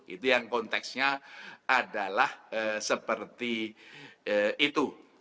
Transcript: itu yang konteksnya adalah seperti itu